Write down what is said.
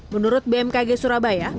menurut bmkg surabaya